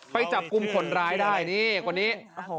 ไปจับกุมคนร้ายได้นี่กว่านี้